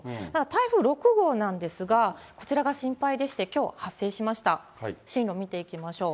台風６号なんですが、こちらが心配でして、きょう発生しました、進路見ていきましょう。